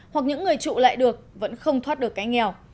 hoặc những người trụ lại được vẫn không thoát được cái nghèo